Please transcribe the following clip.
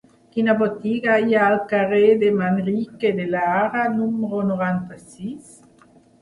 Quina botiga hi ha al carrer de Manrique de Lara número noranta-sis?